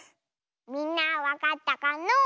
みんなはわかったかのう？